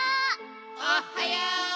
おはよう！